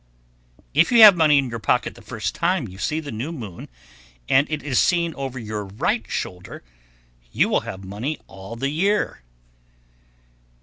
If you have money in your pocket the first time you see the new moon, and it is seen over your right shoulder, you will have money all the year.